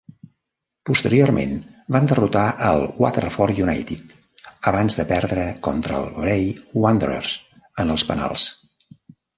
Posteriorment, van derrotar al Waterford United abans de perdre contra el Bray Wanderers en els penals.